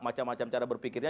macam macam cara berpikirnya